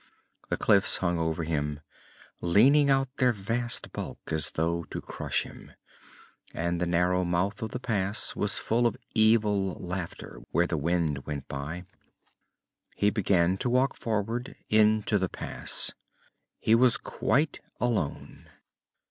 The cliffs hung over him, leaning out their vast bulk as though to crush him, and the narrow mouth of the pass was full of evil laughter where the wind went by. He began to walk forward, into the pass. He was quite alone.